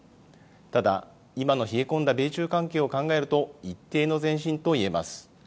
ただ、今の冷え込んだ米中関係を考えると、一定の前進といえます。